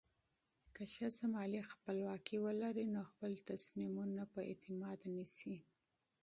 که ښځه مالي خپلواکي ولري، نو خپل تصمیمونه په اعتماد نیسي.